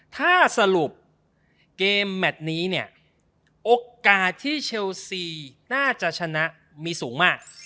ถ้าสรุปเกมแมทนี้เนี่ยโอกาสที่เชลซีน่าจะชนะมีสูงมาก